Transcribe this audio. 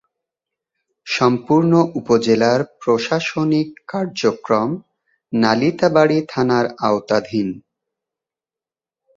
সম্পূর্ণ উপজেলার প্রশাসনিক কার্যক্রম নালিতাবাড়ী থানার আওতাধীন।